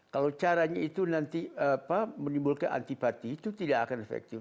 kalau caranya itu nanti menimbulkan antipati itu tidak akan efektif